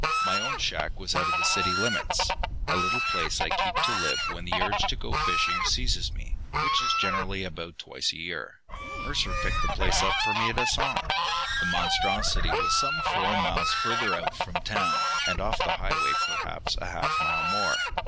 My own shack was out of the city limits a little place I keep to live in when the urge to go fishing seizes me, which is generally about twice a year. Mercer picked the place up for me at a song. The Monstrosity was some four miles further out from town, and off the highway perhaps a half mile more.